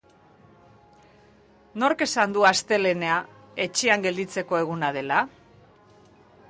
Nork esan du astelehena etxean gelditzeko eguna dela?